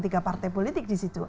tiga partai politik di situ